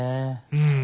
うん。